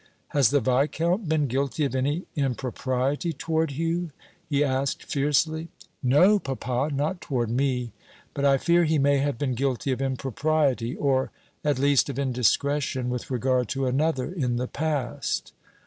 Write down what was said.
"Has the Viscount been guilty of any impropriety toward you?" he asked, fiercely. "No, papa, not toward me, but I fear he may have been guilty of impropriety, or, at least, of indiscretion, with regard to another in the past."